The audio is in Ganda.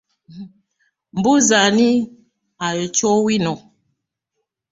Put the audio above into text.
Mbuzza ani ayokya owino?